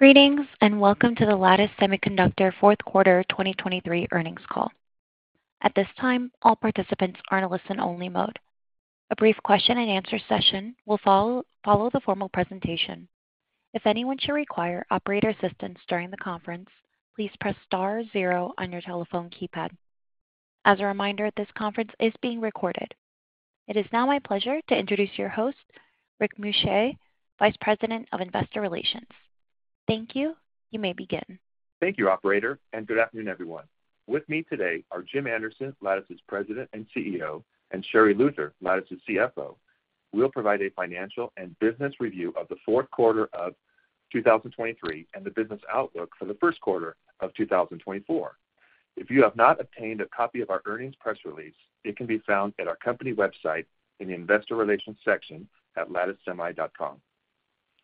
Greetings and welcome to the Lattice Semiconductor Fourth Quarter 2023 Earnings Call. At this time, all participants are in a listen-only mode. A brief question-and-answer session will follow the formal presentation. If anyone should require operator assistance during the conference, please press star zero on your telephone keypad. As a reminder, this conference is being recorded. It is now my pleasure to introduce your host, Rick Muscha, Vice President of Investor Relations. Thank you, you may begin. Thank you, operator, and good afternoon, everyone. With me today are Jim Anderson, Lattice's President and CEO, and Sherri Luther, Lattice's CFO. We'll provide a financial and business review of the fourth quarter of 2023 and the business outlook for the first quarter of 2024. If you have not obtained a copy of our earnings press release, it can be found at our company website in the Investor Relations section at latticesemi.com.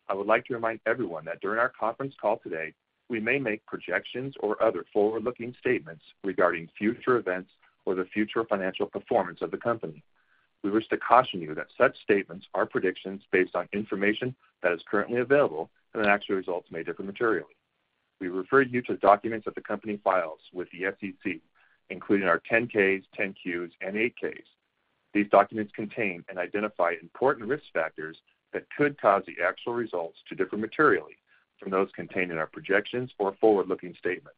I would like to remind everyone that during our conference call today, we may make projections or other forward-looking statements regarding future events or the future financial performance of the company. We wish to caution you that such statements are predictions based on information that is currently available and that actual results may differ materially. We refer you to the documents that the company files with the SEC, including our 10-Ks, 10-Qs, and 8-Ks. These documents contain and identify important risk factors that could cause the actual results to differ materially from those contained in our projections or forward-looking statements.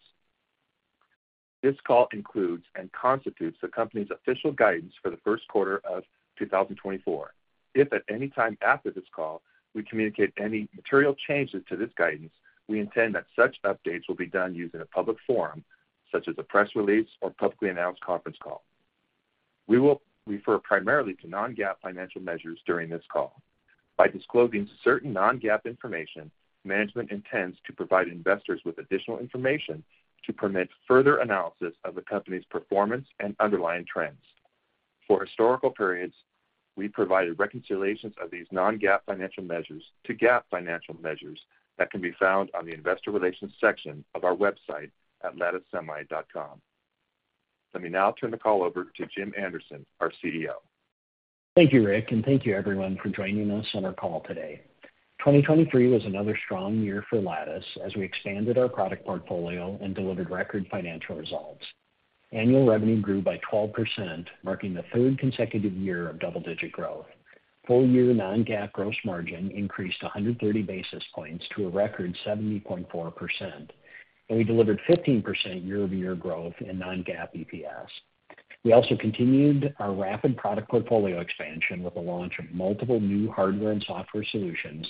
This call includes and constitutes the company's official guidance for the first quarter of 2024. If at any time after this call we communicate any material changes to this guidance, we intend that such updates will be done using a public forum such as a press release or publicly announced conference call. We will refer primarily to non-GAAP financial measures during this call. By disclosing certain non-GAAP information, management intends to provide investors with additional information to permit further analysis of the company's performance and underlying trends. For historical periods, we've provided reconciliations of these non-GAAP financial measures to GAAP financial measures that can be found on the Investor Relations section of our website at latticesemi.com.Let me now turn the call over to Jim Anderson, our CEO. Thank you, Rick, and thank you, everyone, for joining us on our call today. 2023 was another strong year for Lattice as we expanded our product portfolio and delivered record financial results. Annual revenue grew by 12%, marking the third consecutive year of double-digit growth. Full-year non-GAAP gross margin increased 130 basis points to a record 70.4%, and we delivered 15% year-over-year growth in non-GAAP EPS. We also continued our rapid product portfolio expansion with the launch of multiple new hardware and software solutions,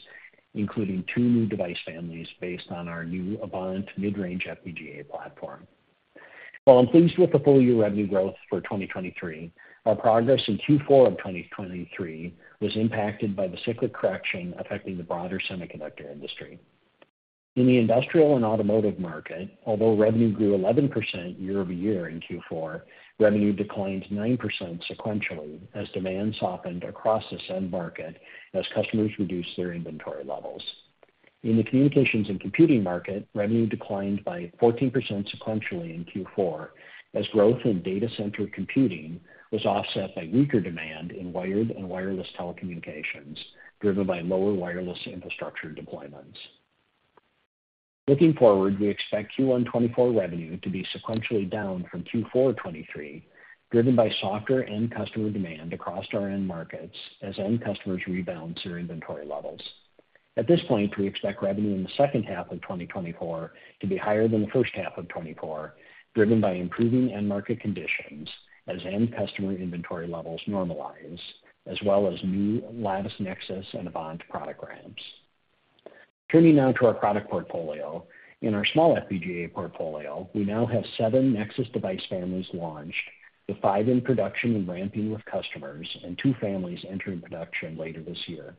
including two new device families based on our new Avant mid-range FPGA platform. While I'm pleased with the full-year revenue growth for 2023, our progress in Q4 of 2023 was impacted by the cyclic correction affecting the broader semiconductor industry.In the industrial and automotive market, although revenue grew 11% year-over-year in Q4, revenue declined 9% sequentially as demand softened across the end market as customers reduced their inventory levels. In the communications and computing market, revenue declined by 14% sequentially in Q4 as growth in data center computing was offset by weaker demand in wired and wireless telecommunications driven by lower wireless infrastructure deployments. Looking forward, we expect Q1 2024 revenue to be sequentially down from Q4 2023, driven by softer end-customer demand across our end markets as end customers rebound their inventory levels. At this point, we expect revenue in the second half of 2024 to be higher than the first half of 2024, driven by improving end-market conditions as end-customer inventory levels normalize, as well as new Lattice Nexus and Avant product ramps. Turning now to our product portfolio.In our small FPGA portfolio, we now have seven Nexus device families launched, with five in production and ramping with customers and two families entering production later this year.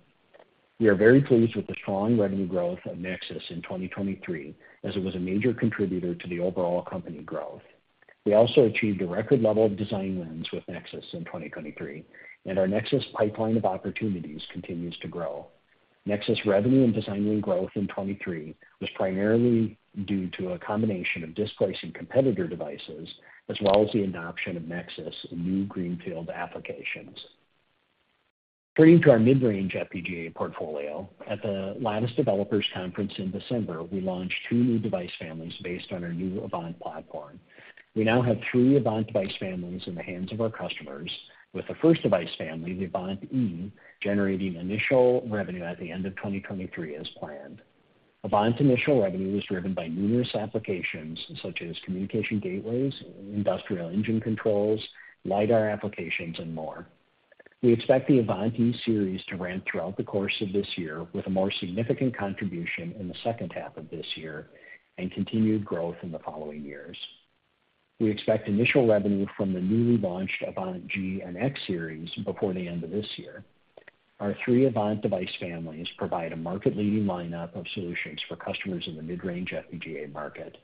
We are very pleased with the strong revenue growth of Nexus in 2023 as it was a major contributor to the overall company growth. We also achieved a record level of design wins with Nexus in 2023, and our Nexus pipeline of opportunities continues to grow. Nexus revenue and design win growth in 2023 was primarily due to a combination of displacing competitor devices as well as the adoption of Nexus in new greenfield applications. Turning to our mid-range FPGA portfolio. At the Lattice Developers Conference in December, we launched two new device families based on our new Avant platform. We now have three Avant device families in the hands of our customers, with the first device family, the Avant-E, generating initial revenue at the end of 2023 as planned. Avant initial revenue was driven by numerous applications such as communication gateways, industrial engine controls, LiDAR applications, and more. We expect the Avant-E series to ramp throughout the course of this year, with a more significant contribution in the second half of this year and continued growth in the following years. We expect initial revenue from the newly launched Avant-G and X series before the end of this year. Our three Avant device families provide a market-leading lineup of solutions for customers in the mid-range FPGA market.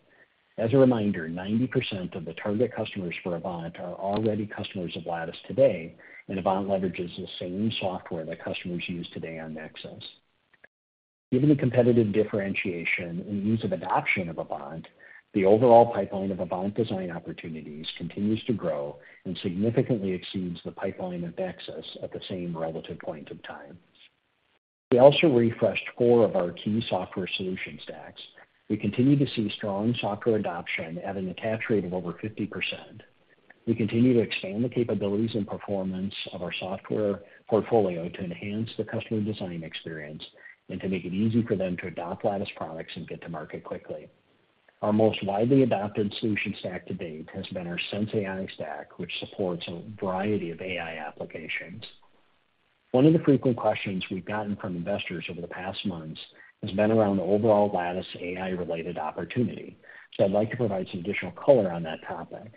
As a reminder, 90% of the target customers for Avant are already customers of Lattice today, and Avant leverages the same software that customers use today on Nexus.Given the competitive differentiation and ease of adoption of Avant, the overall pipeline of Avant design opportunities continues to grow and significantly exceeds the pipeline of Nexus at the same relative point of time. We also refreshed four of our key software solution stacks. We continue to see strong software adoption at an attach rate of over 50%. We continue to expand the capabilities and performance of our software portfolio to enhance the customer design experience and to make it easy for them to adopt Lattice products and get to market quickly. Our most widely adopted solution stack to date has been our sensAI stack, which supports a variety of AI applications. One of the frequent questions we've gotten from investors over the past months has been around the overall Lattice AI-related opportunity, so I'd like to provide some additional color on that topic.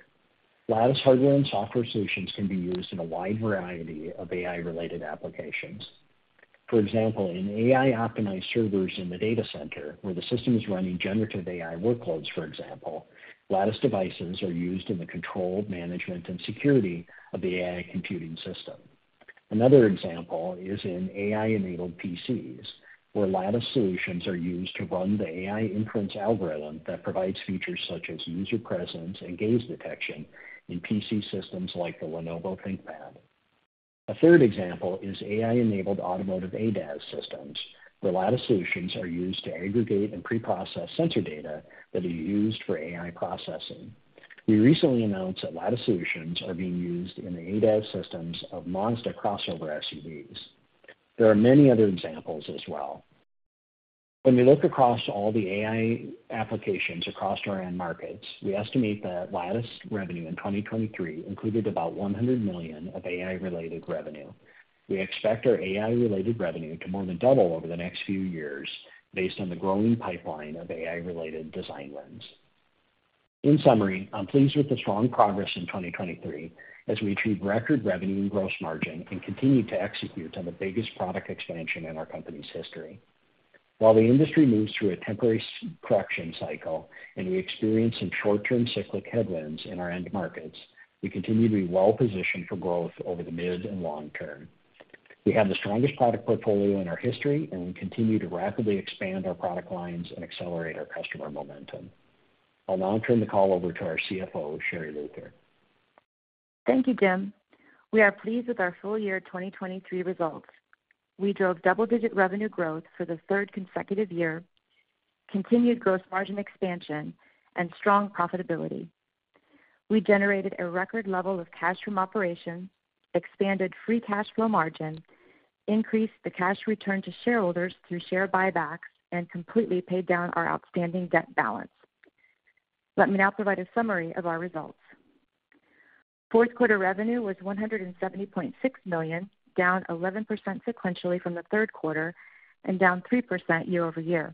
Lattice hardware and software solutions can be used in a wide variety of AI-related applications. For example, in AI-optimized servers in the data center where the system is running generative AI workloads, for example, Lattice devices are used in the control, management, and security of the AI computing system. Another example is in AI-enabled PCs, where Lattice solutions are used to run the AI inference algorithm that provides features such as user presence and gaze detection in PC systems like the Lenovo ThinkPad. A third example is AI-enabled automotive ADAS systems, where Lattice solutions are used to aggregate and pre-process sensor data that are used for AI processing. We recently announced that Lattice solutions are being used in the ADAS systems of Mazda crossover SUVs. There are many other examples as well. When we look across all the AI applications across our end markets, we estimate that Lattice revenue in 2023 included about $100 million of AI-related revenue. We expect our AI-related revenue to more than double over the next few years based on the growing pipeline of AI-related design wins. In summary, I'm pleased with the strong progress in 2023 as we achieve record revenue and gross margin and continue to execute on the biggest product expansion in our company's history. While the industry moves through a temporary correction cycle and we experience some short-term cyclic headwinds in our end markets, we continue to be well-positioned for growth over the mid and long term. We have the strongest product portfolio in our history, and we continue to rapidly expand our product lines and accelerate our customer momentum. I'll now turn the call over to our CFO, Sherri Luther. Thank you, Jim. We are pleased with our full-year 2023 results. We drove double-digit revenue growth for the third consecutive year, continued gross margin expansion, and strong profitability. We generated a record level of cash from operations, expanded free cash flow margin, increased the cash return to shareholders through share buybacks, and completely paid down our outstanding debt balance. Let me now provide a summary of our results. Fourth quarter revenue was $170.6 million, down 11% sequentially from the third quarter and down 3% year-over-year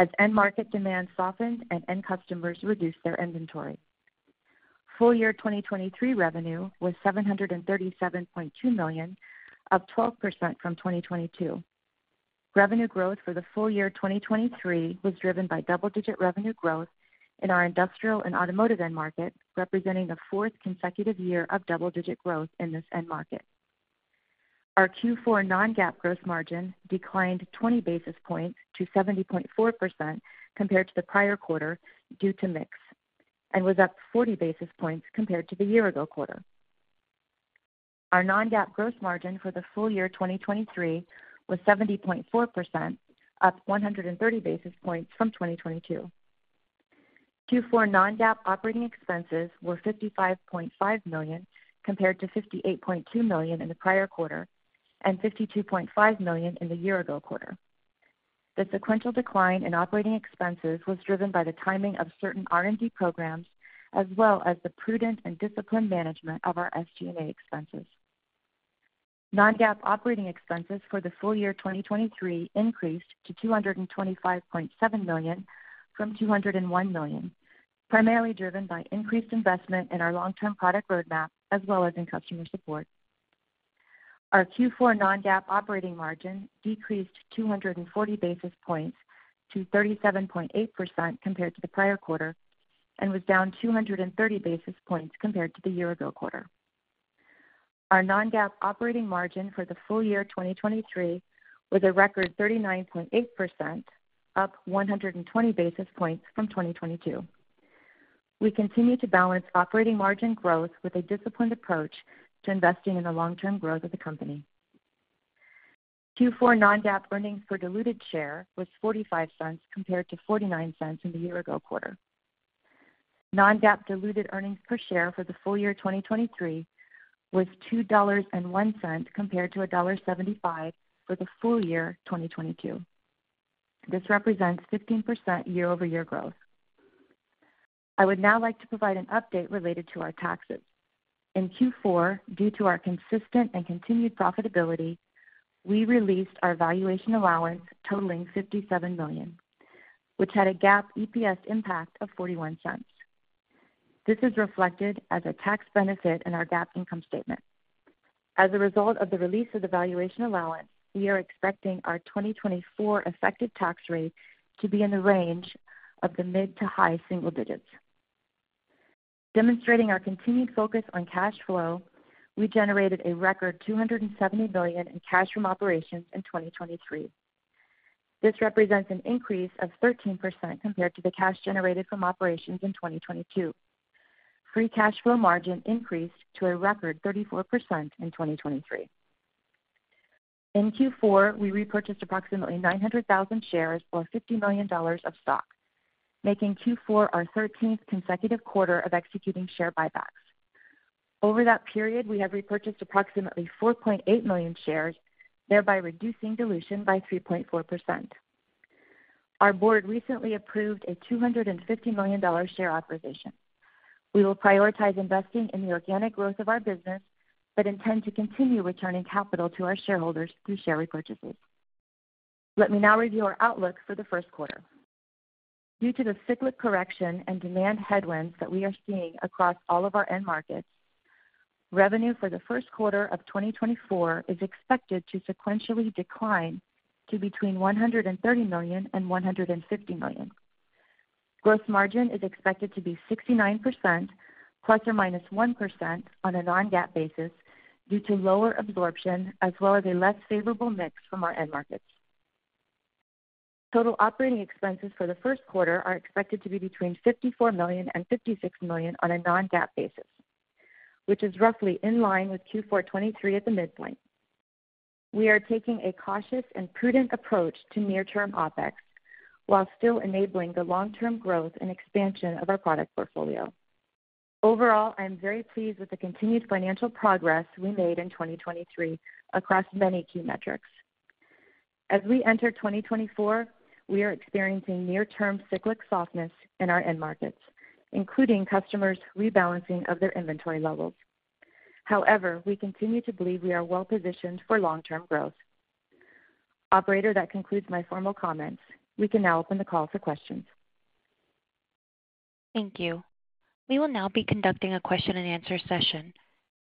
as end-market demand softened and end customers reduced their inventory. Full-year 2023 revenue was $737.2 million, up 12% from 2022. Revenue growth for the full year 2023 was driven by double-digit revenue growth in our industrial and automotive end market, representing the fourth consecutive year of double-digit growth in this end market. Our Q4 non-GAAP gross margin declined 20 basis points to 70.4% compared to the prior quarter due to mix and was up 40 basis points compared to the year-ago quarter. Our non-GAAP gross margin for the full year 2023 was 70.4%, up 130 basis points from 2022. Q4 non-GAAP operating expenses were $55.5 million compared to $58.2 million in the prior quarter and $52.5 million in the year-ago quarter. The sequential decline in operating expenses was driven by the timing of certain R&D programs as well as the prudent and disciplined management of our SG&A expenses. Non-GAAP operating expenses for the full year 2023 increased to $225.7 million from $201 million, primarily driven by increased investment in our long-term product roadmap as well as in customer support. Our Q4 non-GAAP operating margin decreased 240 basis points to 37.8% compared to the prior quarter and was down 230 basis points compared to the year-ago quarter. Our non-GAAP operating margin for the full year 2023 was a record 39.8%, up 120 basis points from 2022. We continue to balance operating margin growth with a disciplined approach to investing in the long-term growth of the company. Q4 non-GAAP earnings per diluted share was $0.45 compared to $0.49 in the year-ago quarter. Non-GAAP diluted earnings per share for the full year 2023 was $2.01 compared to $1.75 for the full year 2022. This represents 15% year-over-year growth. I would now like to provide an update related to our taxes. In Q4, due to our consistent and continued profitability, we released our valuation allowance totaling $57 million, which had a GAAP EPS impact of $0.41. This is reflected as a tax benefit in our GAAP income statement. As a result of the release of the valuation allowance, we are expecting our 2024 effective tax rate to be in the range of the mid- to high single digits. Demonstrating our continued focus on cash flow, we generated a record $270 million in cash from operations in 2023. This represents an increase of 13% compared to the cash generated from operations in 2022. Free cash flow margin increased to a record 34% in 2023. In Q4, we repurchased approximately 900,000 shares or $50 million of stock, making Q4 our 13th consecutive quarter of executing share buybacks. Over that period, we have repurchased approximately 4.8 million shares, thereby reducing dilution by 3.4%. Our board recently approved a $250 million share authorization. We will prioritize investing in the organic growth of our business but intend to continue returning capital to our shareholders through share repurchases. Let me now review our outlook for the first quarter. Due to the cyclic correction and demand headwinds that we are seeing across all of our end markets, revenue for the first quarter of 2024 is expected to sequentially decline to between $130 million and $150 million. Gross margin is expected to be 69% ±1% on a non-GAAP basis due to lower absorption as well as a less favorable mix from our end markets. Total operating expenses for the first quarter are expected to be between $54 million and $56 million on a non-GAAP basis, which is roughly in line with Q4 2023 at the midpoint. We are taking a cautious and prudent approach to near-term OpEx while still enabling the long-term growth and expansion of our product portfolio. Overall, I'm very pleased with the continued financial progress we made in 2023 across many key metrics. As we enter 2024, we are experiencing near-term cyclic softness in our end markets, including customers rebalancing of their inventory levels. However, we continue to believe we are well-positioned for long-term growth. Operator, that concludes my formal comments. We can now open the call for questions. Thank you. We will now be conducting a question-and-answer session.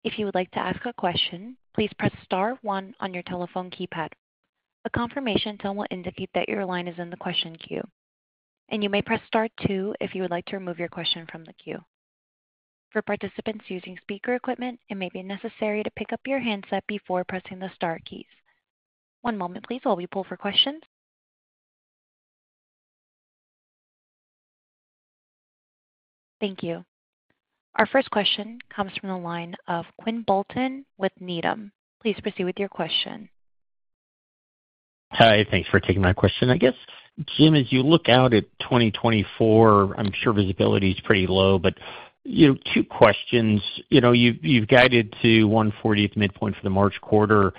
If you would like to ask a question, please press star one on your telephone keypad. A confirmation tone will indicate that your line is in the question queue, and you may press star two if you would like to remove your question from the queue. For participants using speaker equipment, it may be necessary to pick up your handset before pressing the star keys. One moment, please, while we poll for questions. Thank you. Our first question comes from the line of Quinn Bolton with Needham. Please proceed with your question. Hi. Thanks for taking my question. I guess, Jim, as you look out at 2024, I'm sure visibility's pretty low, but two questions. You've guided to Q1 2024 midpoint for the March quarter.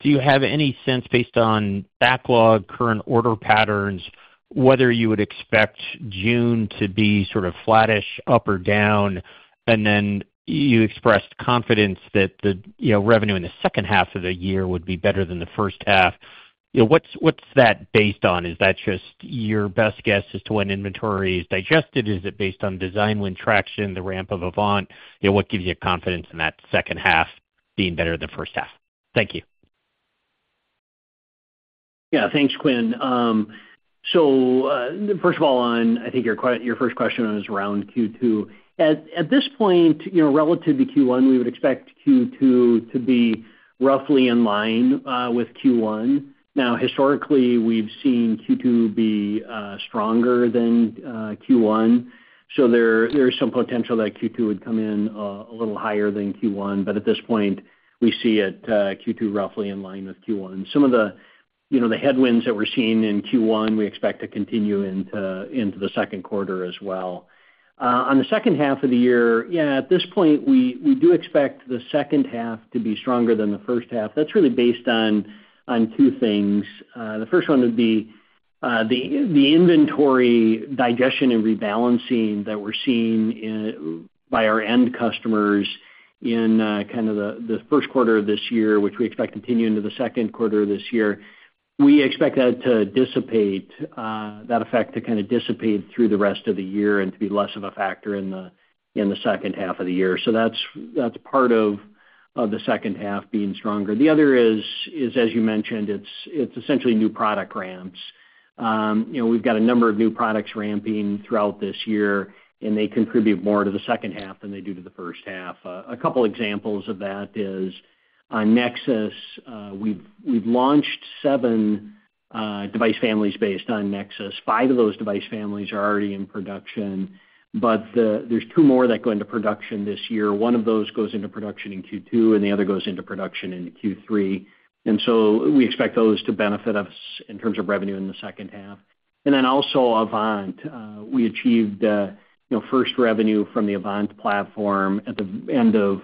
Do you have any sense, based on backlog, current order patterns, whether you would expect June to be sort of flattish, up or down? And then you expressed confidence that the revenue in the second half of the year would be better than the first half. What's that based on? Is that just your best guess as to when inventory is digested? Is it based on design win traction, the ramp of Avant? What gives you confidence in that second half being better than first half? Thank you. Yeah. Thanks, Quinn. So first of all, I think your first question was around Q2. At this point, relative to Q1, we would expect Q2 to be roughly in line with Q1. Now, historically, we've seen Q2 be stronger than Q1, so there's some potential that Q2 would come in a little higher than Q1. But at this point, we see it Q2 roughly in line with Q1. Some of the headwinds that we're seeing in Q1, we expect to continue into the second quarter as well. On the second half of the year, yeah, at this point, we do expect the second half to be stronger than the first half. That's really based on two things. The first one would be the inventory digestion and rebalancing that we're seeing by our end customers in kind of the first quarter of this year, which we expect to continue into the second quarter of this year. We expect that effect to kind of dissipate through the rest of the year and to be less of a factor in the second half of the year. So that's part of the second half being stronger. The other is, as you mentioned, it's essentially new product ramps. We've got a number of new products ramping throughout this year, and they contribute more to the second half than they do to the first half. A couple of examples of that is Nexus. We've launched seven device families based on Nexus. Five of those device families are already in production, but there's two more that go into production this year. One of those goes into production in Q2, and the other goes into production in Q3. And so we expect those to benefit us in terms of revenue in the second half. And then also Avant. We achieved first revenue from the Avant platform at the end of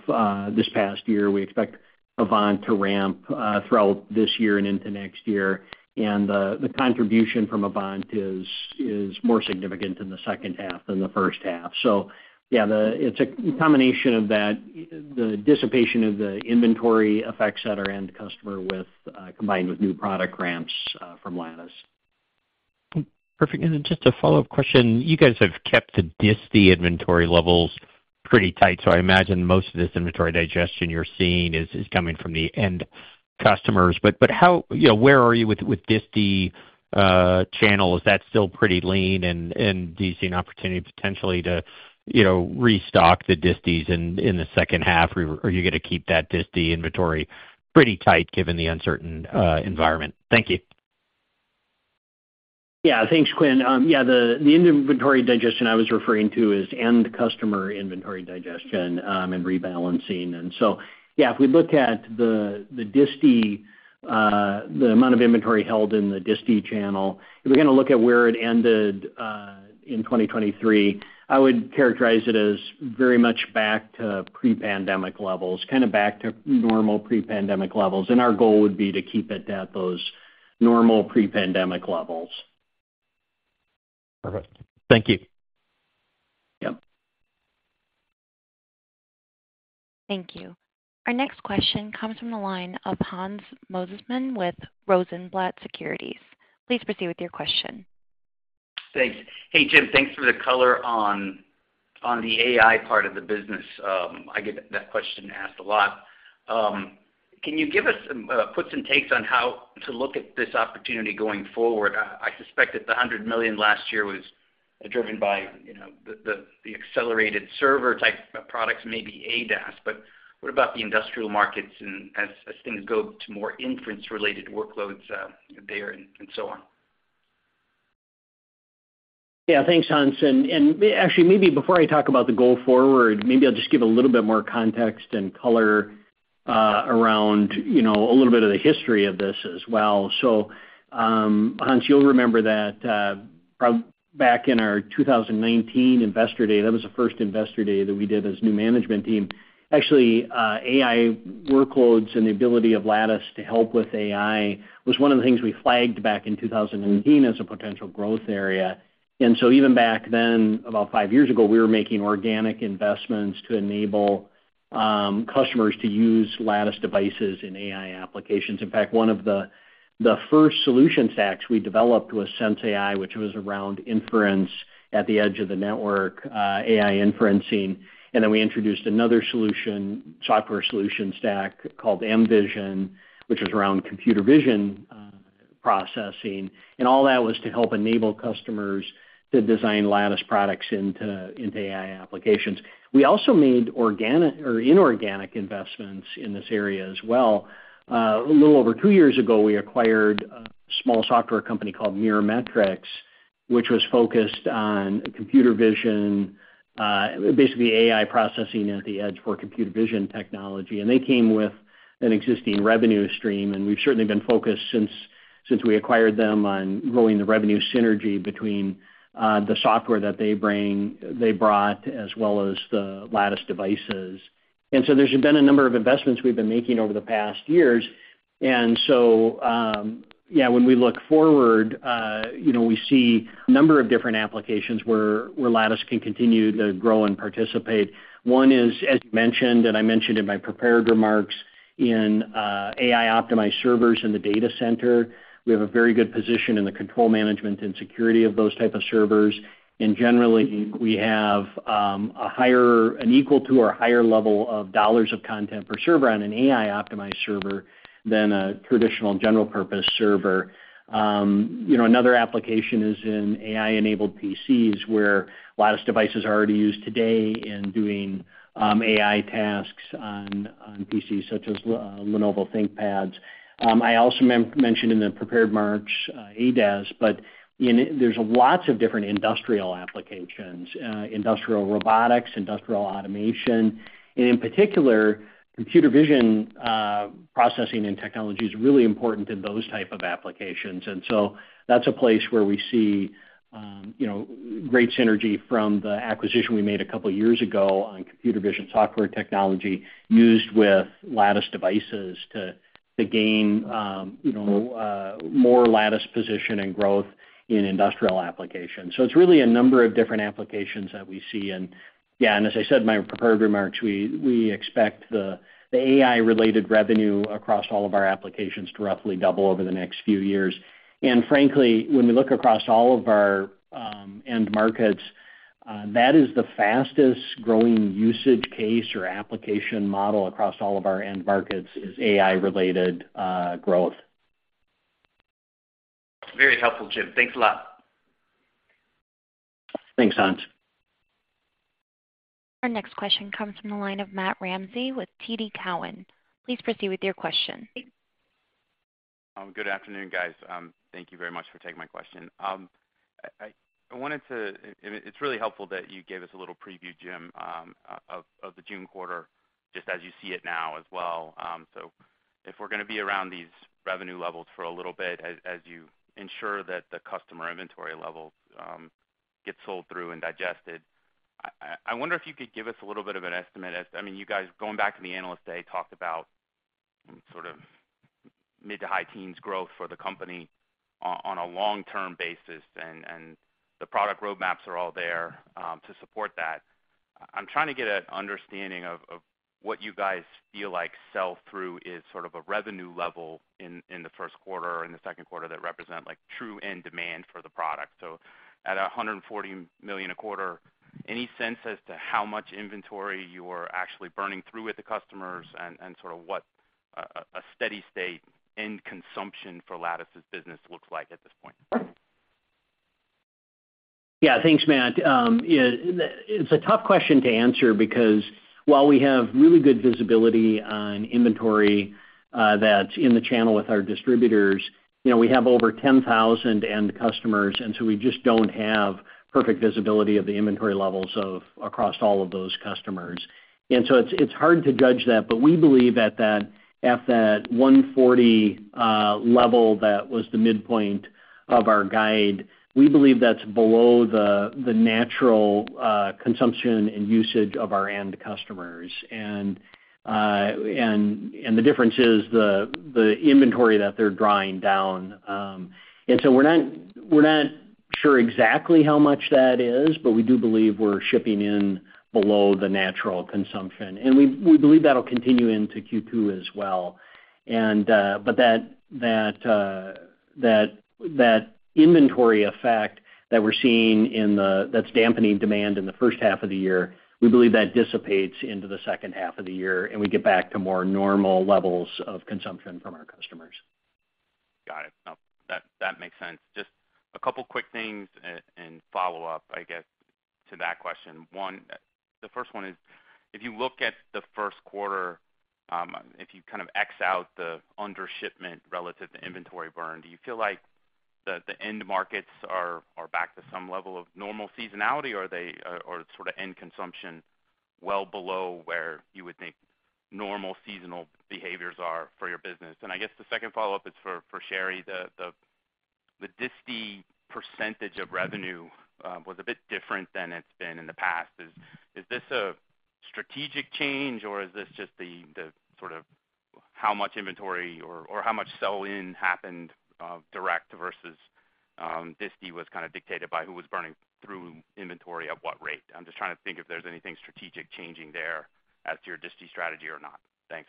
this past year. We expect Avant to ramp throughout this year and into next year. And the contribution from Avant is more significant in the second half than the first half. So yeah, it's a combination of the dissipation of the inventory effects at our end customer combined with new product ramps from Lattice. Perfect. And then just a follow-up question. You guys have kept the disty inventory levels pretty tight, so I imagine most of this inventory digestion you're seeing is coming from the end customers. But where are you with disty channel? Is that still pretty lean, and do you see an opportunity potentially to restock the distys in the second half? Are you going to keep that disty inventory pretty tight given the uncertain environment? Thank you. Yeah. Thanks, Quinn. Yeah, the end inventory digestion I was referring to is end customer inventory digestion and rebalancing. And so yeah, if we look at the amount of inventory held in the disty channel, if we're going to look at where it ended in 2023, I would characterize it as very much back to pre-pandemic levels, kind of back to normal pre-pandemic levels. And our goal would be to keep it at those normal pre-pandemic levels. Perfect. Thank you. Yep. Thank you. Our next question comes from the line of Hans Mosesman with Rosenblatt Securities. Please proceed with your question. Thanks. Hey, Jim, thanks for the color on the AI part of the business. I get that question asked a lot. Can you give us some puts and takes on how to look at this opportunity going forward? I suspect that the $100 million last year was driven by the accelerated server-type products, maybe ADAS. But what about the industrial markets as things go to more inference-related workloads there and so on? Yeah. Thanks, Hans. And actually, maybe before I talk about the go forward, maybe I'll just give a little bit more context and color around a little bit of the history of this as well. So Hans, you'll remember that back in our 2019 Investor Day, that was the first Investor Day that we did as new management team. Actually, AI workloads and the ability of Lattice to help with AI was one of the things we flagged back in 2019 as a potential growth area. And so even back then, about five years ago, we were making organic investments to enable customers to use Lattice devices in AI applications. In fact, one of the first solution stacks we developed was sensAI, which was around inference at the edge of the network, AI inferencing. And then we introduced another software solution stack called mVision, which was around computer vision processing. And all that was to help enable customers to design Lattice products into AI applications. We also made inorganic investments in this area as well. A little over two years ago, we acquired a small software company called Mirametrix, which was focused on computer vision, basically AI processing at the edge for computer vision technology. They came with an existing revenue stream. We've certainly been focused since we acquired them on growing the revenue synergy between the software that they brought as well as the Lattice devices. So there's been a number of investments we've been making over the past years. So yeah, when we look forward, we see a number of different applications where Lattice can continue to grow and participate. One is, as you mentioned, and I mentioned in my prepared remarks, in AI-optimized servers in the data center. We have a very good position in the control management and security of those types of servers. Generally, we have an equal to or higher level of dollars of content per server on an AI-optimized server than a traditional general-purpose server. Another application is in AI-enabled PCs where Lattice devices are already used today in doing AI tasks on PCs such as Lenovo ThinkPads. I also mentioned in the prepared remarks ADAS, but there's lots of different industrial applications, industrial robotics, industrial automation. In particular, computer vision processing and technology is really important in those types of applications. So that's a place where we see great synergy from the acquisition we made a couple of years ago on computer vision software technology used with Lattice devices to gain more Lattice position and growth in industrial applications. So it's really a number of different applications that we see. Yeah, and as I said in my prepared remarks, we expect the AI-related revenue across all of our applications to roughly double over the next few years. Frankly, when we look across all of our end markets, that is the fastest growing usage case or application model across all of our end markets is AI-related growth. Very helpful, Jim. Thanks a lot. Thanks, Hans. Our next question comes from the line of Matt Ramsey with TD Cowen. Please proceed with your question. Good afternoon, guys. Thank you very much for taking my question. I wanted to. It's really helpful that you gave us a little preview, Jim, of the June quarter just as you see it now as well. So if we're going to be around these revenue levels for a little bit as you ensure that the customer inventory levels get sold through and digested, I wonder if you could give us a little bit of an estimate as to, I mean, you guys, going back to the Analyst Day, talked about sort of mid to high teens growth for the company on a long-term basis, and the product roadmaps are all there to support that. I'm trying to get an understanding of what you guys feel like sell through is sort of a revenue level in the first quarter or in the second quarter that represent true end demand for the product. So at $140 million a quarter, any sense as to how much inventory you are actually burning through with the customers and sort of what a steady state end consumption for Lattice's business looks like at this point? Yeah. Thanks, Matt. It's a tough question to answer because while we have really good visibility on inventory that's in the channel with our distributors, we have over 10,000 end customers. And so we just don't have perfect visibility of the inventory levels across all of those customers. And so it's hard to judge that. But we believe at that $140 level that was the midpoint of our guide, we believe that's below the natural consumption and usage of our end customers. And the difference is the inventory that they're drawing down. And so we're not sure exactly how much that is, but we do believe we're shipping in below the natural consumption. And we believe that'll continue into Q2 as well. But that inventory effect that we're seeing that's dampening demand in the first half of the year, we believe that dissipates into the second half of the year, and we get back to more normal levels of consumption from our customers. Got it. That makes sense. Just a couple of quick things and follow-up, I guess, to that question. The first one is, if you look at the first quarter, if you kind of X out the under-shipment relative to inventory burn, do you feel like the end markets are back to some level of normal seasonality, or is sort of end consumption well below where you would think normal seasonal behaviors are for your business? And I guess the second follow-up is for Sherri. The disty percentage of revenue was a bit different than it's been in the past. Is this a strategic change, or is this just sort of how much inventory or how much sell-in happened direct versus disty was kind of dictated by who was burning through inventory at what rate? I'm just trying to think if there's anything strategic changing there as to your disty strategy or not. Thanks.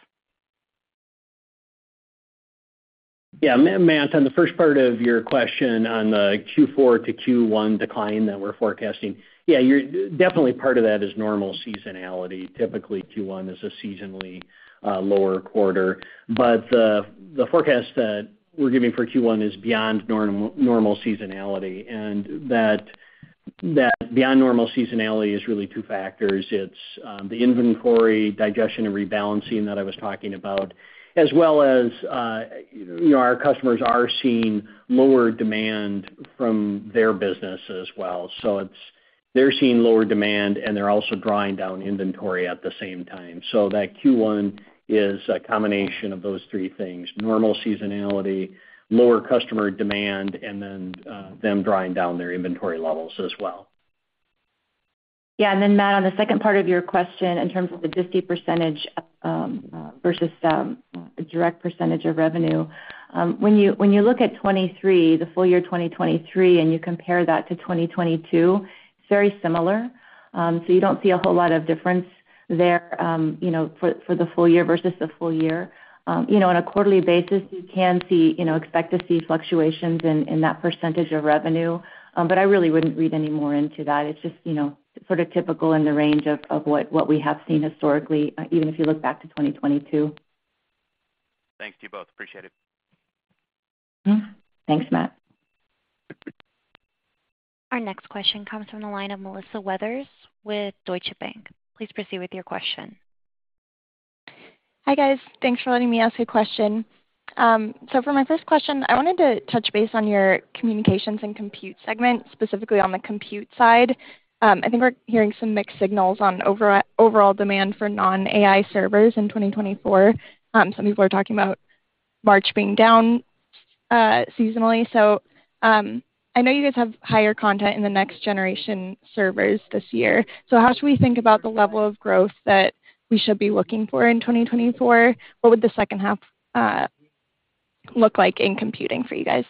Yeah. Matt, on the first part of your question on the Q4-Q1 decline that we're forecasting, yeah, definitely part of that is normal seasonality. Typically, Q1 is a seasonally lower quarter. But the forecast that we're giving for Q1 is beyond normal seasonality. And that beyond normal seasonality is really two factors. It's the inventory digestion and rebalancing that I was talking about, as well as our customers are seeing lower demand from their business as well. So they're seeing lower demand, and they're also drawing down inventory at the same time. So that Q1 is a combination of those three things: normal seasonality, lower customer demand, and then them drawing down their inventory levels as well. Yeah. Then, Matt, on the second part of your question in terms of the disty percentage versus a direct percentage of revenue, when you look at 2023, the full year 2023, and you compare that to 2022, it's very similar. So you don't see a whole lot of difference there for the full year versus the full year. On a quarterly basis, you can expect to see fluctuations in that percentage of revenue. But I really wouldn't read any more into that. It's just sort of typical in the range of what we have seen historically, even if you look back to 2022. Thanks to you both. Appreciate it. Thanks, Matt. Our next question comes from the line of Melissa Weathers with Deutsche Bank. Please proceed with your question. Hi, guys. Thanks for letting me ask a question. So for my first question, I wanted to touch base on your communications and compute segment, specifically on the compute side. I think we're hearing some mixed signals on overall demand for non-AI servers in 2024. Some people are talking about March being down seasonally. So I know you guys have higher content in the next-generation servers this year. So how should we think about the level of growth that we should be looking for in 2024? What would the second half look like in computing for you guys?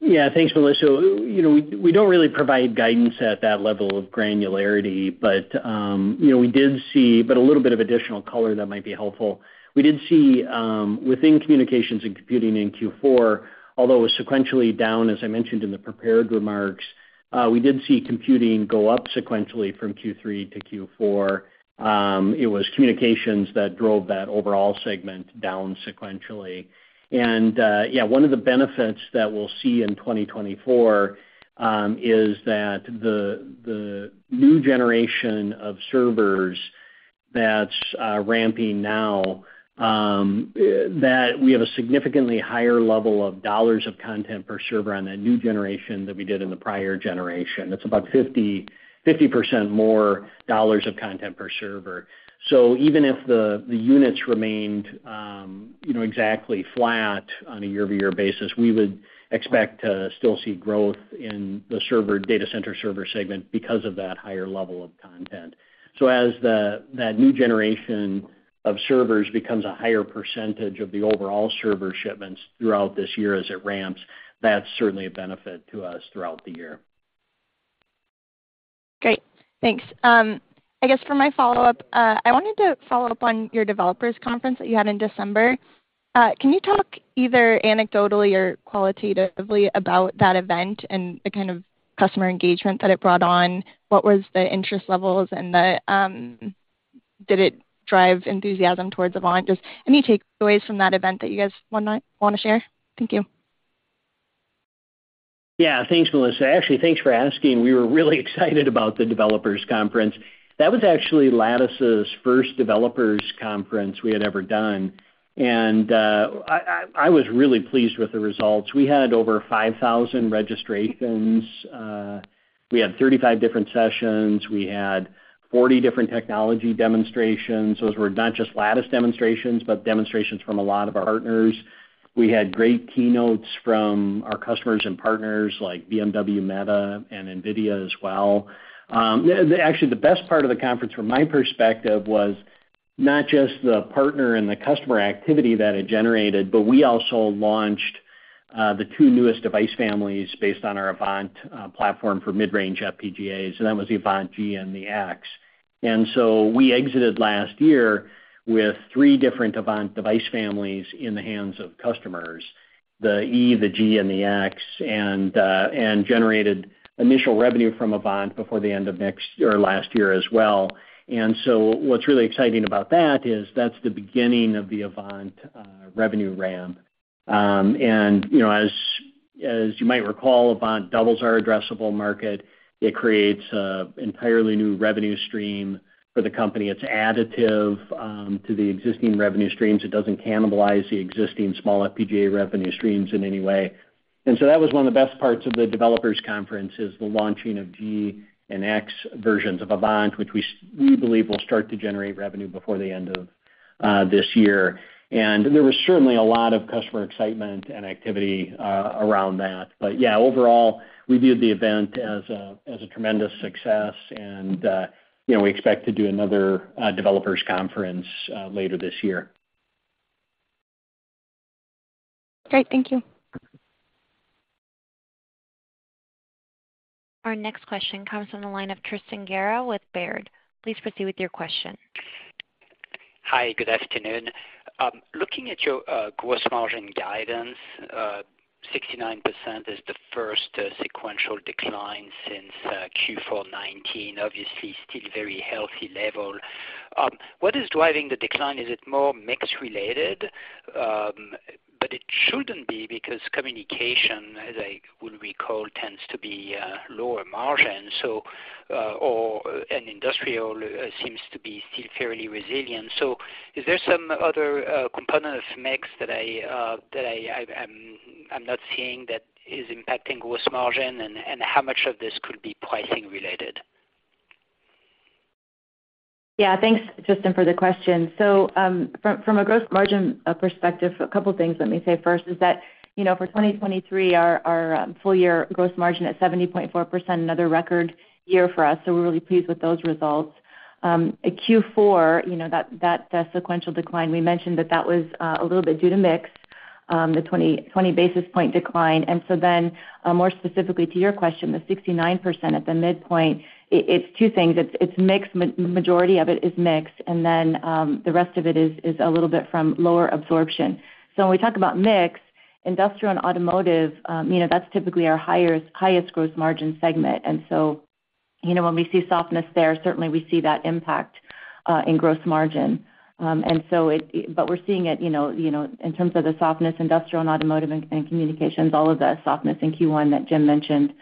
Yeah. Thanks, Melissa. We don't really provide guidance at that level of granularity, but we did see but a little bit of additional color that might be helpful. We did see within communications and computing in Q4, although it was sequentially down, as I mentioned in the prepared remarks, we did see computing go up sequentially from Q3-Q4. It was communications that drove that overall segment down sequentially. And yeah, one of the benefits that we'll see in 2024 is that the new generation of servers that's ramping now, that we have a significantly higher level of dollars of content per server on that new generation than we did in the prior generation. That's about 50% more dollars of content per server. So even if the units remained exactly flat on a year-over-year basis, we would expect to still see growth in the data center server segment because of that higher level of content. So as that new generation of servers becomes a higher percentage of the overall server shipments throughout this year as it ramps, that's certainly a benefit to us throughout the year. Great. Thanks. I guess for my follow-up, I wanted to follow up on your Developers Conference that you had in December. Can you talk either anecdotally or qualitatively about that event and the kind of customer engagement that it brought on? What was the interest levels, and did it drive enthusiasm towards Avant? Just any takeaways from that event that you guys want to share? Thank you. Yeah. Thanks, Melissa. Actually, thanks for asking. We were really excited about the Developers Conference. That was actually Lattice's first Developers Conference we had ever done. And I was really pleased with the results. We had over 5,000 registrations. We had 35 different sessions. We had 40 different technology demonstrations. Those were not just Lattice demonstrations, but demonstrations from a lot of our partners. We had great keynotes from our customers and partners like BMW, Meta, and NVIDIA as well. Actually, the best part of the conference, from my perspective, was not just the partner and the customer activity that it generated, but we also launched the two newest device families based on our Avant platform for mid-range FPGAs. And that was the Avant-G and the Avant-X.We exited last year with three different Avant device families in the hands of customers, the E, the G, and the X, and generated initial revenue from Avant before the end of next or last year as well. What's really exciting about that is that's the beginning of the Avant revenue ramp. As you might recall, Avant doubles our addressable market. It creates an entirely new revenue stream for the company. It's additive to the existing revenue streams. It doesn't cannibalize the existing small FPGA revenue streams in any way. That was one of the best parts of the Developers Conference, is the launching of G and X versions of Avant, which we believe will start to generate revenue before the end of this year. There was certainly a lot of customer excitement and activity around that. But yeah, overall, we viewed the event as a tremendous success, and we expect to do another Developers Conference later this year. Great. Thank you. Our next question comes from the line of Tristan Gerra with Baird. Please proceed with your question. Hi. Good afternoon. Looking at your Gross Margin guidance, 69% is the first sequential decline since Q4 2019. Obviously, still very healthy level. What is driving the decline? Is it more mix-related? But it shouldn't be because Communications, as I will recall, tends to be lower margin or Industrial seems to be still fairly resilient. So is there some other component of mix that I'm not seeing that is impacting Gross Margin, and how much of this could be pricing-related? Yeah. Thanks, Justin, for the question. So from a gross margin perspective, a couple of things let me say first is that for 2023, our full-year gross margin at 70.4%, another record year for us. So we're really pleased with those results. Q4, that sequential decline, we mentioned that that was a little bit due to mix, the 20 basis point decline. And so then, more specifically to your question, the 69% at the midpoint, it's two things. It's mix. Majority of it is mix, and then the rest of it is a little bit from lower absorption. So when we talk about mix, industrial and automotive, that's typically our highest gross margin segment. And so when we see softness there, certainly, we see that impact in gross margin. But we're seeing it in terms of the softness, industrial and automotive, and communications, all of the softness in Q1 that Jim mentioned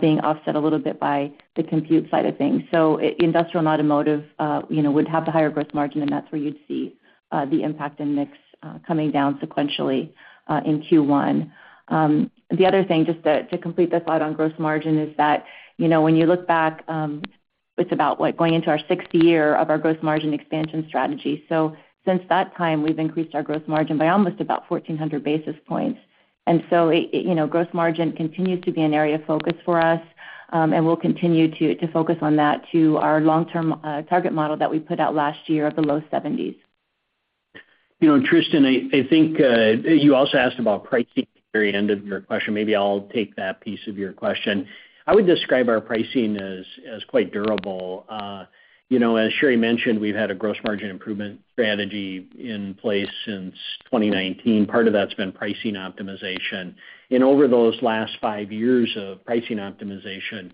being offset a little bit by the compute side of things. So industrial and automotive would have the higher gross margin, and that's where you'd see the impact in mix coming down sequentially in Q1. The other thing, just to complete the thought on gross margin, is that when you look back, it's about going into our sixth year of our gross margin expansion strategy. So since that time, we've increased our gross margin by almost about 1,400 basis points. And so gross margin continues to be an area of focus for us, and we'll continue to focus on that to our long-term target model that we put out last year of the low 70s. Tristan, I think you also asked about pricing at the very end of your question. Maybe I'll take that piece of your question. I would describe our pricing as quite durable. As Sherri mentioned, we've had a gross margin improvement strategy in place since 2019. Part of that's been pricing optimization. Over those last five years of pricing optimization,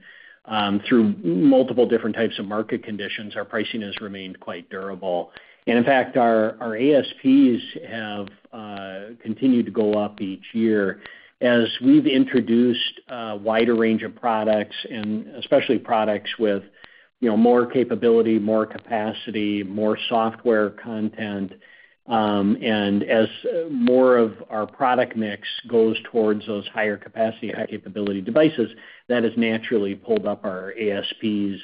through multiple different types of market conditions, our pricing has remained quite durable. In fact, our ASPs have continued to go up each year as we've introduced a wider range of products, and especially products with more capability, more capacity, more software content. As more of our product mix goes towards those higher capacity, high-capability devices, that has naturally pulled up our ASPs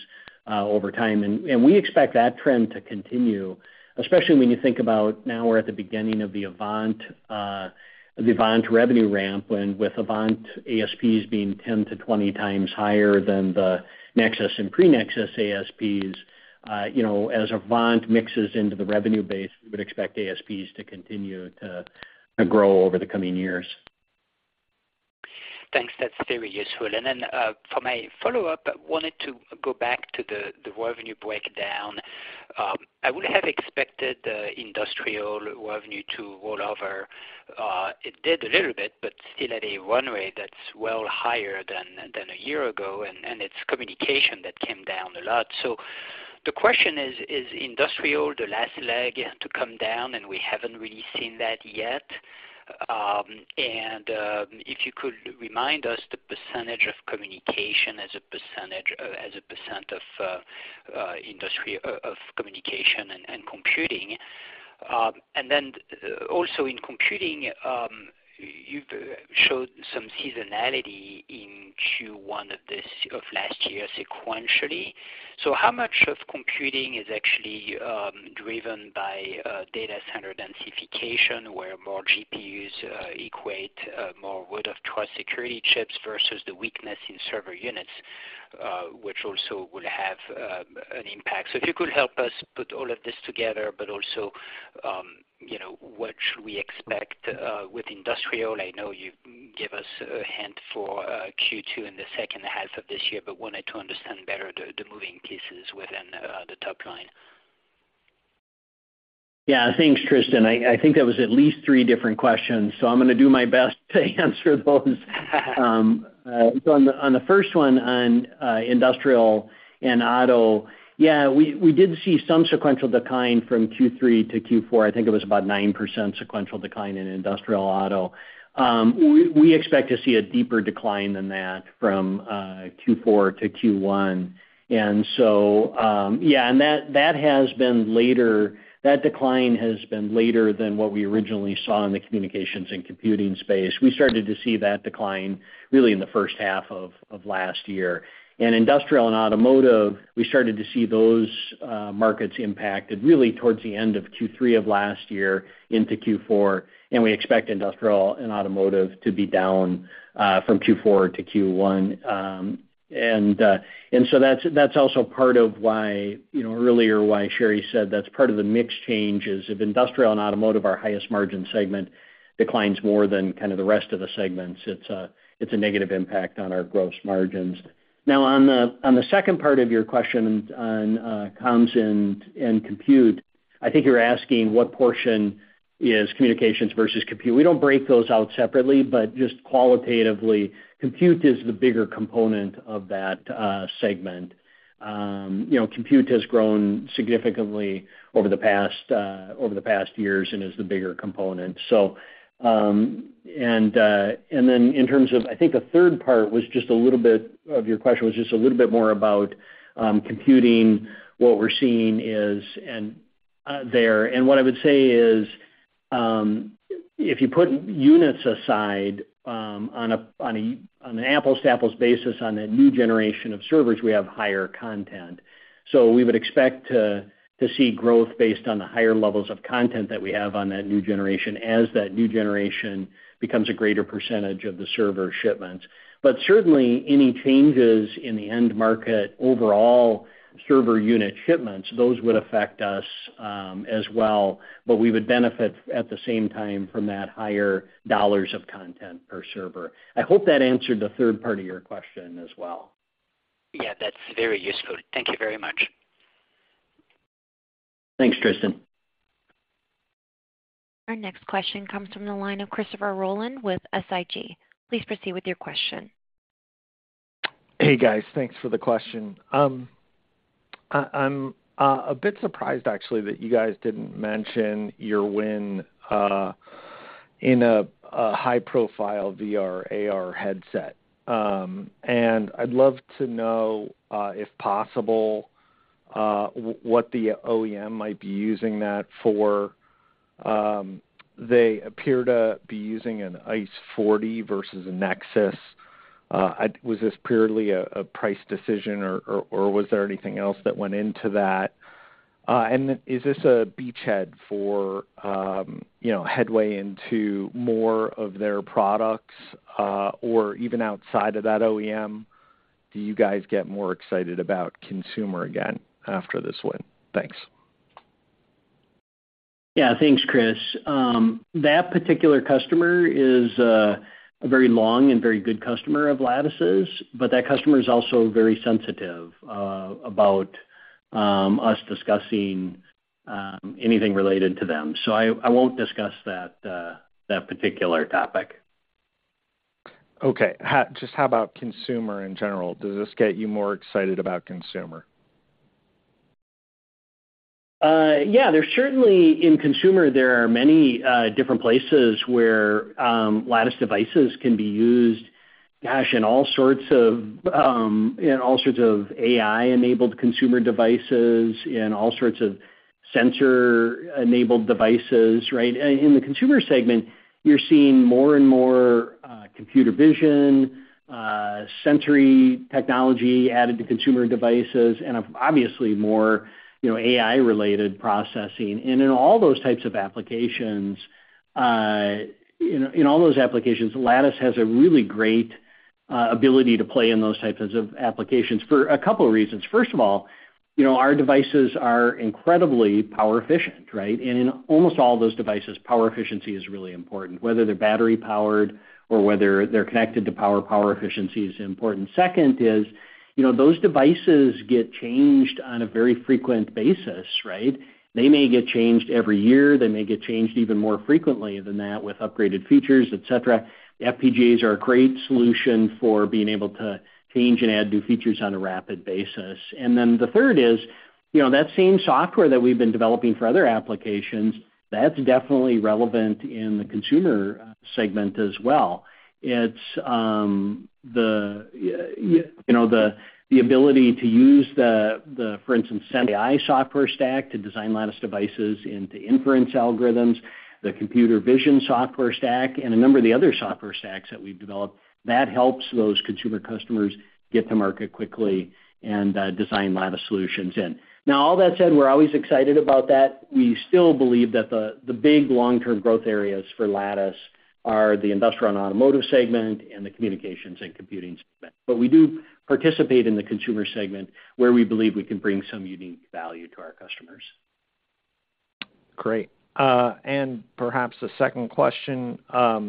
over time. We expect that trend to continue, especially when you think about now we're at the beginning of the Avant revenue ramp, and with Avant ASPs being 10x-20x higher than the Nexus and Pre-Nexus ASPs. As Avant mixes into the revenue base, we would expect ASPs to continue to grow over the coming years. Thanks. That's very useful. And then for my follow-up, I wanted to go back to the revenue breakdown. I would have expected the industrial revenue to roll over. It did a little bit, but still at a run rate that's well higher than a year ago. And it's communications that came down a lot. So the question is, is industrial the last leg to come down? And we haven't really seen that yet. And if you could remind us the percentage of communications as a percent of communications and computing. And then also in computing, you've showed some seasonality in Q1 of last year sequentially. So how much of computing is actually driven by data center densification, where more GPUs equate more root-of-trust security chips versus the weakness in server units, which also will have an impact? So if you could help us put all of this together, but also what should we expect with industrial? I know you gave us a hint for Q2 in the second half of this year, but wanted to understand better the moving pieces within the top line. Yeah. Thanks, Tristan. I think that was at least three different questions. So I'm going to do my best to answer those. So on the first one, on industrial and auto, yeah, we did see some sequential decline from Q3-Q4. I think it was about 9% sequential decline in industrial auto. We expect to see a deeper decline than that from Q4-Q1. And so yeah, and that has been later that decline has been later than what we originally saw in the communications and computing space. We started to see that decline really in the first half of last year. And industrial and automotive, we started to see those markets impacted really towards the end of Q3 of last year into Q4. And we expect industrial and automotive to be down from Q4-Q1.And so that's also part of why earlier Sherri said that's part of the mix change is if industrial and automotive, our highest margin segment, declines more than kind of the rest of the segments, it's a negative impact on our gross margins. Now, on the second part of your question on comms and compute, I think you're asking what portion is communications versus compute. We don't break those out separately, but just qualitatively, compute is the bigger component of that segment. Compute has grown significantly over the past years and is the bigger component. And then in terms of, I think the third part of your question was just a little bit more about computing, what we're seeing is there. What I would say is if you put units aside on an apples-to-apples basis on that new generation of servers, we have higher content. So we would expect to see growth based on the higher levels of content that we have on that new generation as that new generation becomes a greater percentage of the server shipments. But certainly, any changes in the end market overall server unit shipments, those would affect us as well. But we would benefit at the same time from that higher dollars of content per server. I hope that answered the third part of your question as well. Yeah. That's very useful. Thank you very much. Thanks, Tristan. Our next question comes from the line of Christopher Rolland with SIG. Please proceed with your question. Hey, guys. Thanks for the question. I'm a bit surprised, actually, that you guys didn't mention your win in a high-profile VR/AR headset. And I'd love to know, if possible, what the OEM might be using that for. They appear to be using an iCE40 versus a Nexus. Was this purely a price decision, or was there anything else that went into that? And is this a beachhead for headway into more of their products, or even outside of that OEM, do you guys get more excited about consumer again after this win? Thanks. Yeah. Thanks, Chris. That particular customer is a very long and very good customer of Lattice's, but that customer is also very sensitive about us discussing anything related to them. So I won't discuss that particular topic. Okay. Just how about consumer in general? Does this get you more excited about consumer? Yeah. In consumer, there are many different places where Lattice devices can be used, gosh, in all sorts of AI-enabled consumer devices, in all sorts of sensor-enabled devices, right? In the consumer segment, you're seeing more and more computer vision, sensory technology added to consumer devices, and obviously, more AI-related processing. And in all those types of applications, in all those applications, Lattice has a really great ability to play in those types of applications for a couple of reasons. First of all, our devices are incredibly power-efficient, right? And in almost all those devices, power efficiency is really important, whether they're battery-powered or whether they're connected to power. Power efficiency is important. Second is those devices get changed on a very frequent basis, right? They may get changed every year. They may get changed even more frequently than that with upgraded features, etc. FPGAs are a great solution for being able to change and add new features on a rapid basis. And then the third is that same software that we've been developing for other applications, that's definitely relevant in the consumer segment as well. It's the ability to use the, for instance, sensAI software stack to design Lattice devices into inference algorithms, the computer vision software stack, and a number of the other software stacks that we've developed. That helps those consumer customers get to market quickly and design Lattice solutions in. Now, all that said, we're always excited about that. We still believe that the big long-term growth areas for Lattice are the industrial and automotive segment and the communications and computing segment. But we do participate in the consumer segment where we believe we can bring some unique value to our customers. Great. And perhaps a second question. How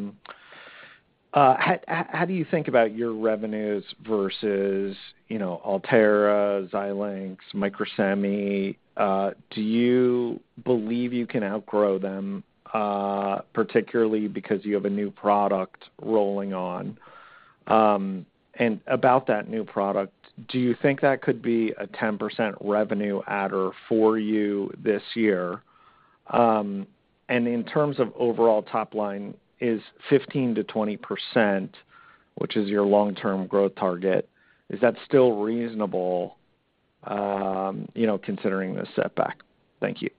do you think about your revenues versus Altera, Xilinx, Microsemi? Do you believe you can outgrow them, particularly because you have a new product rolling on? And about that new product, do you think that could be a 10% revenue add-er for you this year? And in terms of overall top line, is 15%-20%, which is your long-term growth target, still reasonable considering the setback? Thank you.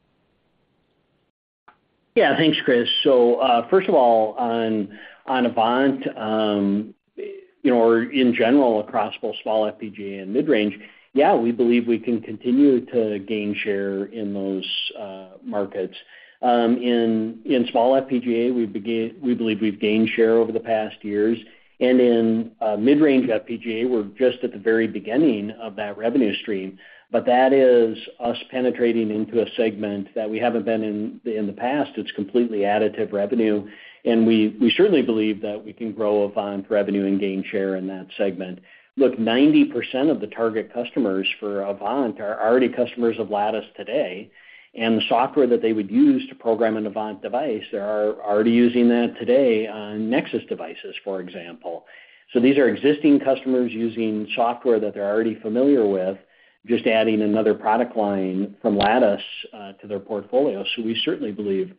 Yeah. Thanks, Chris. So first of all, on Avant or in general across both small FPGA and mid-range, yeah, we believe we can continue to gain share in those markets. In small FPGA, we believe we've gained share over the past years. In mid-range FPGA, we're just at the very beginning of that revenue stream. But that is us penetrating into a segment that we haven't been in the past. It's completely additive revenue. We certainly believe that we can grow Avant revenue and gain share in that segment. Look, 90% of the target customers for Avant are already customers of Lattice today. The software that they would use to program an Avant device, they're already using that today on Nexus devices, for example. These are existing customers using software that they're already familiar with, just adding another product line from Lattice to their portfolio. So we certainly believe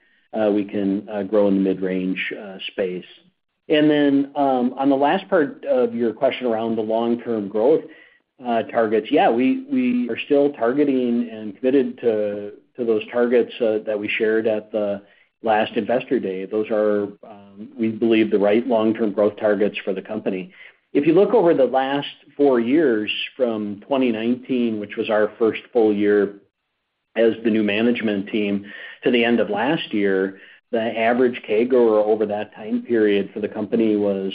we can grow in the mid-range space. And then on the last part of your question around the long-term growth targets, yeah, we are still targeting and committed to those targets that we shared at the last investor day. Those are, we believe, the right long-term growth targets for the company. If you look over the last four years from 2019, which was our first full year as the new management team, to the end of last year, the average CAGR over that time period for the company was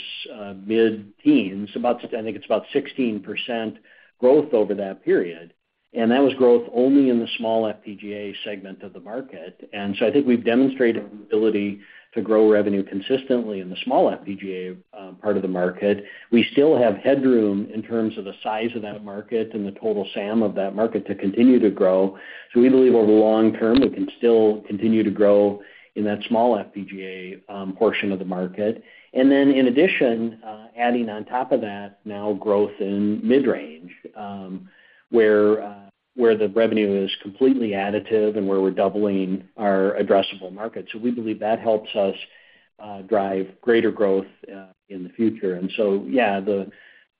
mid-teens. I think it's about 16% growth over that period. And that was growth only in the small FPGA segment of the market. And so I think we've demonstrated the ability to grow revenue consistently in the small FPGA part of the market. We still have headroom in terms of the size of that market and the total SAM of that market to continue to grow. So we believe over the long term, we can still continue to grow in that small FPGA portion of the market. And then in addition, adding on top of that now growth in mid-range where the revenue is completely additive and where we're doubling our addressable market. So we believe that helps us drive greater growth in the future. And so yeah,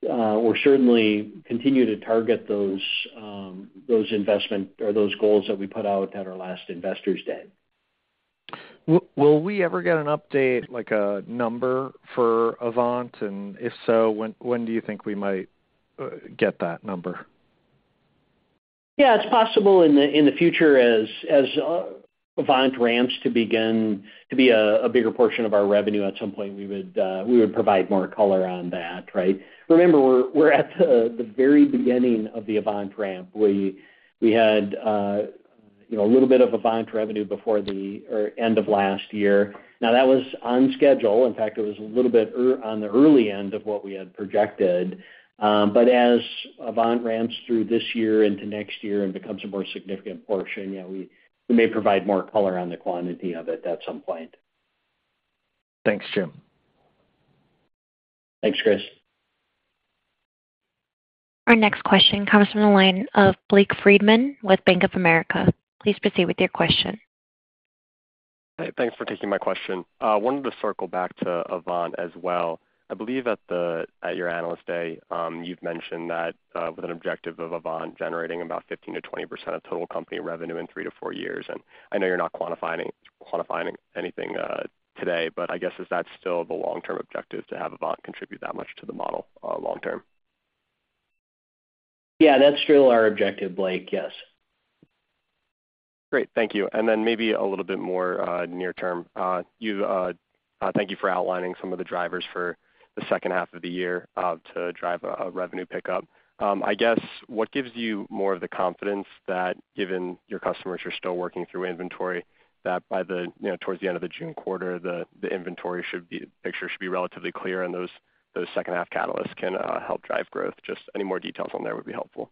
we'll certainly continue to target those investment or those goals that we put out at our last Investor Day. Will we ever get an update, like a number for Avant? And if so, when do you think we might get that number? Yeah. It's possible in the future. As Avant ramps to be a bigger portion of our revenue at some point, we would provide more color on that, right? Remember, we're at the very beginning of the Avant ramp. We had a little bit of Avant revenue before the end of last year. Now, that was on schedule. In fact, it was a little bit on the early end of what we had projected. But as Avant ramps through this year into next year and becomes a more significant portion, yeah, we may provide more color on the quantity of it at some point. Thanks, Jim. Thanks, Chris. Our next question comes from the line of Blake Friedman with Bank of America. Please proceed with your question. Hi. Thanks for taking my question. I wanted to circle back to Avant as well. I believe at your Analyst Day, you've mentioned that with an objective of Avant generating about 15%-20% of total company revenue in 3-4 years. I know you're not quantifying anything today, but I guess is that still the long-term objective to have Avant contribute that much to the model long term? Yeah. That's still our objective, Blake. Yes. Great. Thank you. And then maybe a little bit more near term, thank you for outlining some of the drivers for the second half of the year to drive a revenue pickup. I guess what gives you more of the confidence that given your customers are still working through inventory, that by toward the end of the June quarter, the inventory picture should be relatively clear and those second-half catalysts can help drive growth? Just any more details on there would be helpful.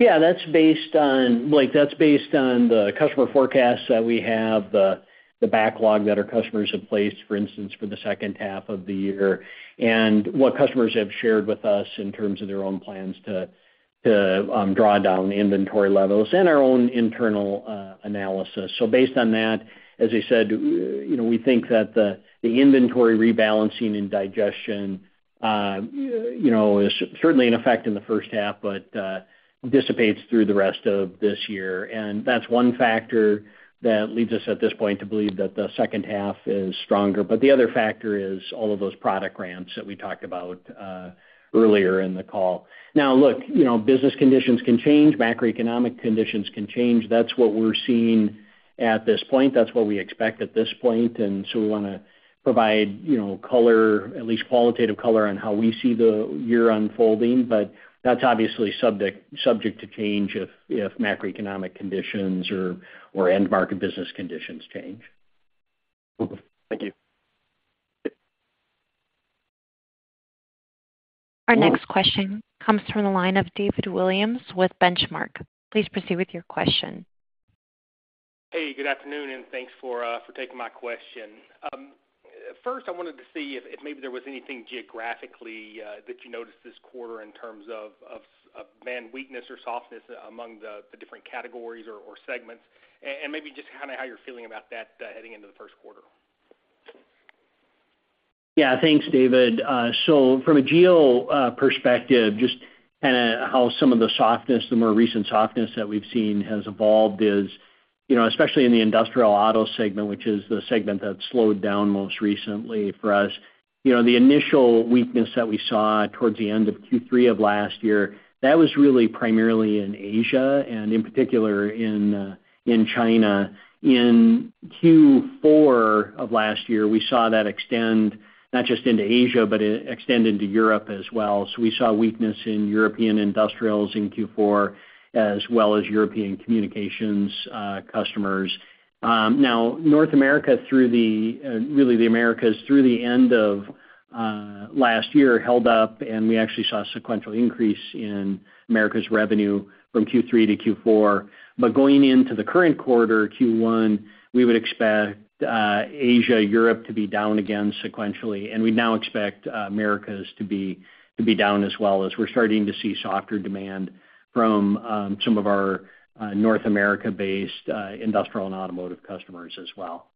Yeah. That's based on, Blake, that's based on the customer forecasts that we have, the backlog that our customers have placed, for instance, for the second half of the year, and what customers have shared with us in terms of their own plans to draw down inventory levels and our own internal analysis. So based on that, as I said, we think that the inventory rebalancing and digestion is certainly in effect in the first half, but dissipates through the rest of this year. And that's one factor that leads us at this point to believe that the second half is stronger. But the other factor is all of those product ramps that we talked about earlier in the call. Now, look, business conditions can change. Macroeconomic conditions can change. That's what we're seeing at this point. That's what we expect at this point. And so we want to provide color, at least qualitative color, on how we see the year unfolding. But that's obviously subject to change if macroeconomic conditions or end-market business conditions change. Thank you. Our next question comes from the line of David Williams with Benchmark. Please proceed with your question. Hey. Good afternoon. Thanks for taking my question. First, I wanted to see if maybe there was anything geographically that you noticed this quarter in terms of demand weakness or softness among the different categories or segments, and maybe just kind of how you're feeling about that heading into the first quarter. Yeah. Thanks, David. So from a geo perspective, just kind of how some of the softness, the more recent softness that we've seen has evolved is especially in the industrial auto segment, which is the segment that slowed down most recently for us. The initial weakness that we saw towards the end of Q3 of last year, that was really primarily in Asia and in particular in China. In Q4 of last year, we saw that extend not just into Asia, but it extended to Europe as well. So we saw weakness in European industrials in Q4 as well as European communications customers. Now, North America, really the Americas, through the end of last year, held up, and we actually saw a sequential increase in Americas revenue from Q3-Q4. But going into the current quarter, Q1, we would expect Asia, Europe to be down again sequentially. We now expect Americas to be down as well as we're starting to see softer demand from some of our North America-based industrial and automotive customers as well.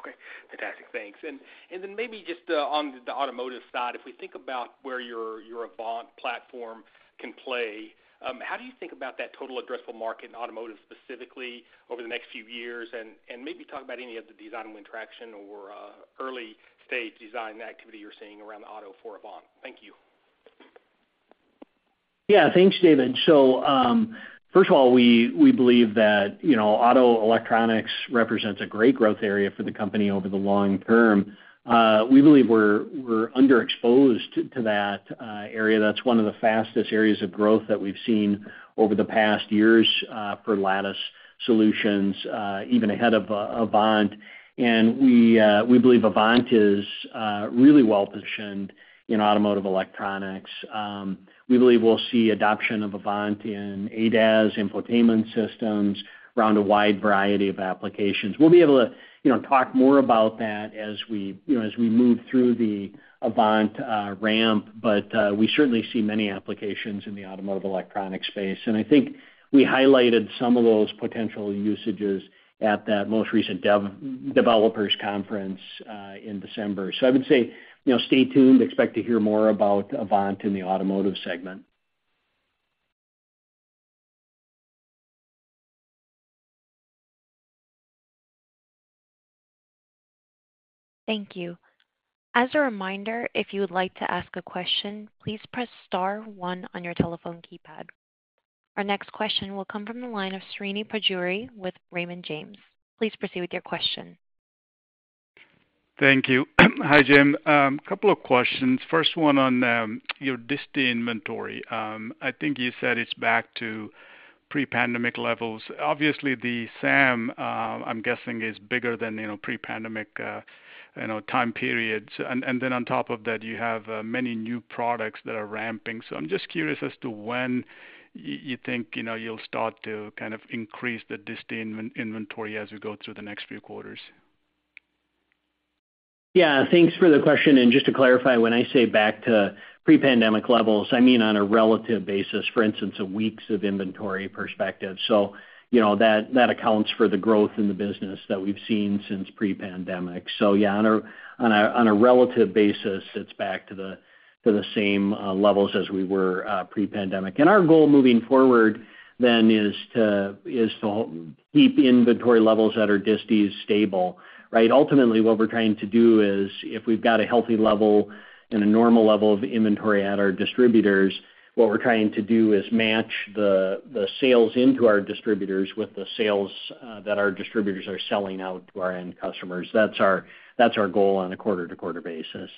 Okay. Fantastic. Thanks. And then maybe just on the automotive side, if we think about where your Avant platform can play, how do you think about that total addressable market in automotive specifically over the next few years? And maybe talk about any of the design win traction or early-stage design activity you're seeing around the auto for Avant. Thank you. Yeah. Thanks, David. So first of all, we believe that auto electronics represents a great growth area for the company over the long term. We believe we're underexposed to that area. That's one of the fastest areas of growth that we've seen over the past years for Lattice solutions, even ahead of Avant. And we believe Avant is really well-positioned in automotive electronics. We believe we'll see adoption of Avant in ADAS, infotainment systems, around a wide variety of applications. We'll be able to talk more about that as we move through the Avant ramp, but we certainly see many applications in the automotive electronic space. And I think we highlighted some of those potential usages at that most recent Developers Conference in December. So I would say stay tuned. Expect to hear more about Avant in the automotive segment. Thank you. As a reminder, if you would like to ask a question, please press star one on your telephone keypad. Our next question will come from the line of Srini Pajjuri with Raymond James. Please proceed with your question. Thank you. Hi, Jim. A couple of questions. First one on your disty inventory. I think you said it's back to pre-pandemic levels. Obviously, the SAM, I'm guessing, is bigger than pre-pandemic time periods. And then on top of that, you have many new products that are ramping. So I'm just curious as to when you think you'll start to kind of increase the disty inventory as we go through the next few quarters. Yeah. Thanks for the question. Just to clarify, when I say back to pre-pandemic levels, I mean on a relative basis, for instance, a weeks of inventory perspective. That accounts for the growth in the business that we've seen since pre-pandemic. Yeah, on a relative basis, it's back to the same levels as we were pre-pandemic. Our goal moving forward then is to keep inventory levels at our disties stable, right? Ultimately, what we're trying to do is if we've got a healthy level and a normal level of inventory at our distributors, what we're trying to do is match the sales into our distributors with the sales that our distributors are selling out to our end customers. That's our goal on a quarter-to-quarter basis.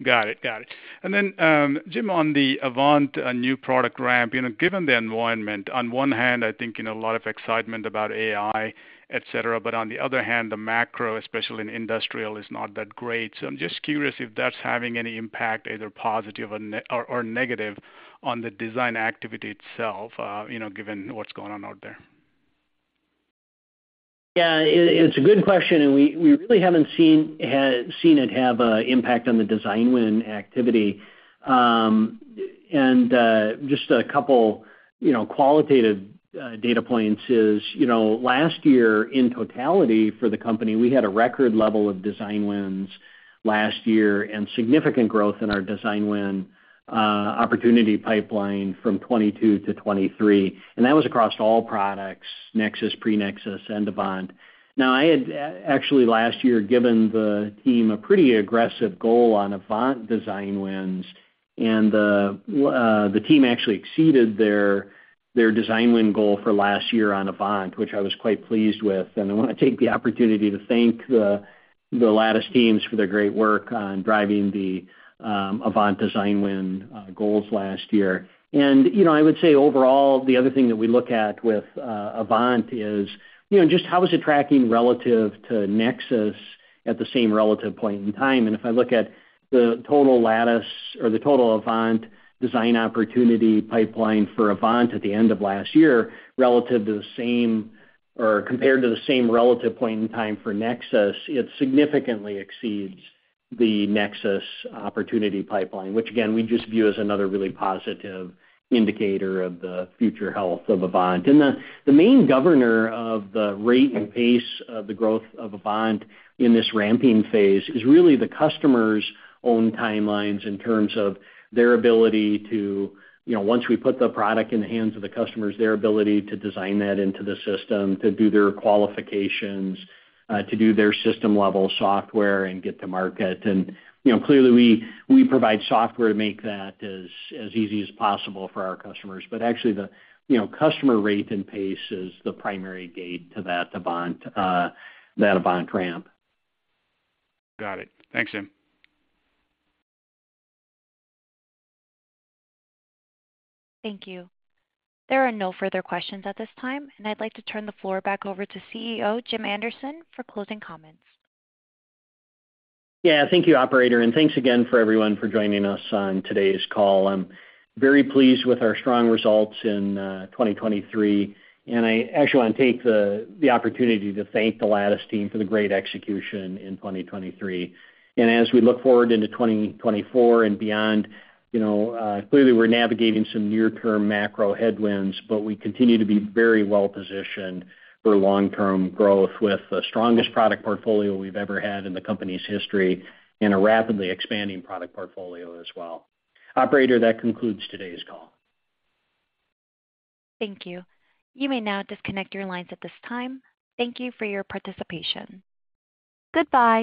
Got it. Got it. And then, Jim, on the Avant new product ramp, given the environment, on one hand, I think a lot of excitement about AI, etc. But on the other hand, the macro, especially in industrial, is not that great. So I'm just curious if that's having any impact, either positive or negative, on the design activity itself, given what's going on out there. Yeah. It's a good question. We really haven't seen it have an impact on the design win activity. Just a couple qualitative data points is last year, in totality, for the company, we had a record level of design wins last year and significant growth in our design win opportunity pipeline from 2022-2023. That was across all products, Nexus, Pre-Nexus, and Avant. Now, I had actually, last year, given the team a pretty aggressive goal on Avant design wins, and the team actually exceeded their design win goal for last year on Avant, which I was quite pleased with. I want to take the opportunity to thank the Lattice teams for their great work on driving the Avant design win goals last year. And I would say overall, the other thing that we look at with Avant is just how is it tracking relative to Nexus at the same relative point in time? And if I look at the total Lattice or the total Avant design opportunity pipeline for Avant at the end of last year relative to the same or compared to the same relative point in time for Nexus, it significantly exceeds the Nexus opportunity pipeline, which, again, we just view as another really positive indicator of the future health of Avant. The main governor of the rate and pace of the growth of Avant in this ramping phase is really the customers' own timelines in terms of their ability, once we put the product in the hands of the customers, to design that into the system, to do their qualifications, to do their system-level software, and get to market. Clearly, we provide software to make that as easy as possible for our customers. Actually, the customer rate and pace is the primary gate to that Avant ramp. Got it. Thanks, Jim. Thank you. There are no further questions at this time. I'd like to turn the floor back over to CEO Jim Anderson for closing comments. Yeah. Thank you, operator. And thanks again for everyone for joining us on today's call. I'm very pleased with our strong results in 2023. And I actually want to take the opportunity to thank the Lattice team for the great execution in 2023. And as we look forward into 2024 and beyond, clearly, we're navigating some near-term macro headwinds, but we continue to be very well-positioned for long-term growth with the strongest product portfolio we've ever had in the company's history and a rapidly expanding product portfolio as well. Operator, that concludes today's call. Thank you. You may now disconnect your lines at this time. Thank you for your participation. Goodbye.